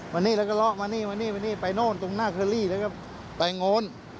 มานี่แล้วก็เลาะมานี่มานี่มานี่ไปโน่นตรงหน้าเคอรี่แล้วก็ไปโน้น